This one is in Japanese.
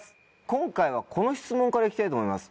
今回はこの質問から行きたいと思います。